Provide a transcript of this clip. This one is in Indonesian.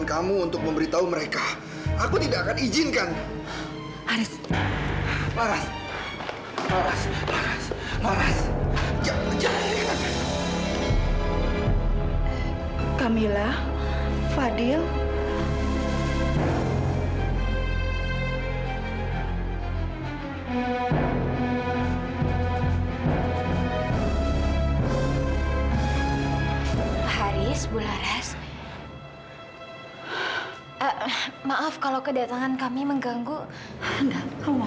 sampai jumpa di video selanjutnya